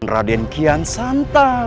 raden kian santang